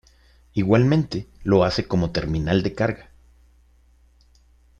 Igualmente, lo hace como terminal de carga.